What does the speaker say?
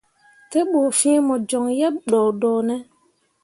Te ɓu fiŋ mo coŋ yebɓo doodoone ?